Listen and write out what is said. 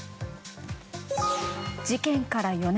事件から４年。